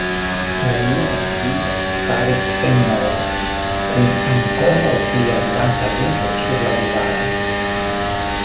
La juna vidvino staris senmove, kun ankoraŭ pli ardanta ruĝo sur la vizaĝo.